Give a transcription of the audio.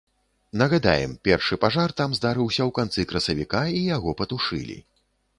Нагадаем, першы пажар там здарыўся ў канцы красавіка і яго патушылі.